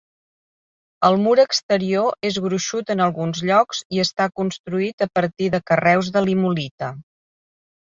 El mur exterior és gruixut en alguns llocs i està construït a partir de carreus de limolita.